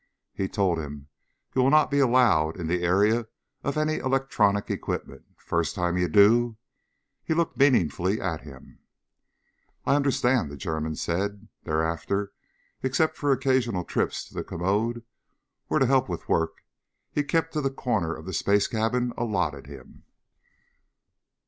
He told him: "You will not be allowed in the area of any of the electronic equipment. First time you do ..." He looked meaningfully at him. "I understand," the German said. Thereafter, except for occasional trips to the commode, or to help with work, he kept to the corner of the space cabin allotted him.